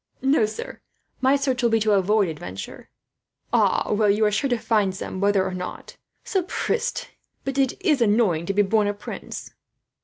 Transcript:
"No, sir, my search will be to avoid adventure." "Ah, well, you are sure to find some, whether or not. Sapristie, but it is annoying to be born a prince."